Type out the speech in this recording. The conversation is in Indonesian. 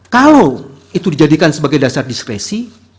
kalau itu dijadikan sebagai dasar diskresi